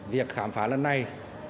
việc khám phá lần này